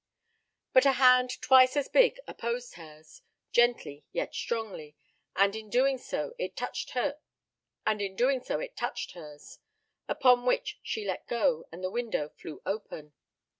But a hand twice as big opposed hers, gently yet strongly, and in doing so it touched hers; upon which she let go, and the window flew open.